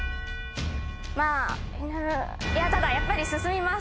まぁいやただやっぱり進みます。